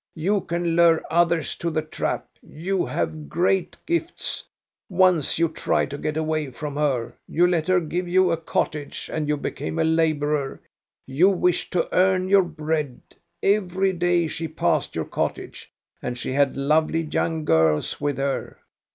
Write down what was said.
You can lure others to the trap ; you have great gifts. Once you tried 46 THE STORY OF GOSTA BE RUNG to get away from her ; you let her give you a cot tage, and you became a laborer; you wished to earn your bread. Every day she passed your cottage, and she had lovely young girls with her.